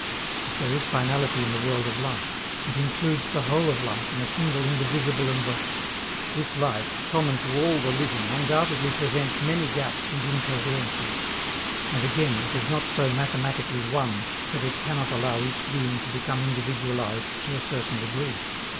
If there is finality in the world of life, it includes the whole of life in a single indivisible embrace. This life common to all the living undoubtedly presents many gaps and incoherences, and again it is not so mathematically one that it cannot allow each being to become individualized to a certain degree.